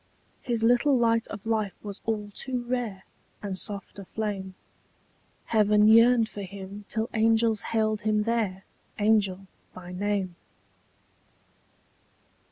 His little light of life was all too rare And soft a flame: Heaven yearned for him till angels hailed him there Angel by name.